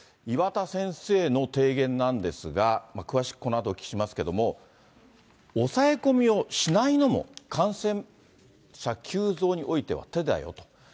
岩田先生の提言なんですが、詳しくこのあとお聞きしますけれども、抑え込みをしないのも、感染者急増においては手だよと。